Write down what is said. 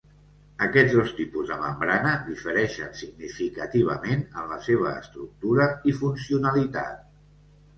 Aquests dos tipus de membrana difereixen significativament en la seva estructura i funcionalitat.